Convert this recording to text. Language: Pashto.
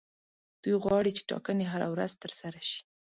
دوی غواړي چې ټاکنې هره ورځ ترسره شي.